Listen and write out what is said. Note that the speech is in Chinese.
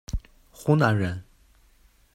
湖南人。